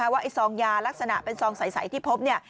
ว่าซองยาลักษณะเป็นซองใสที่พบ